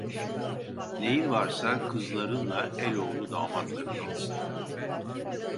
Neyin varsa, kızlarınla eloğlu damatların alsın.